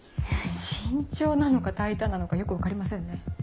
慎重なのか大胆なのかよく分かりませんね。